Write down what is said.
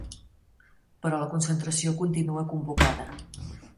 Però la concentració continua convocada.